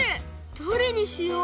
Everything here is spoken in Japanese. どれにしよう！？